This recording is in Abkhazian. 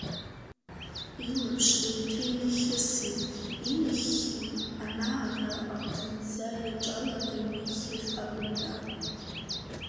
Илаԥш еиҭа инахьысит, инахьхьи, анаара агәҭанӡа иаҿаланы иҩеихьаз абынҳәа.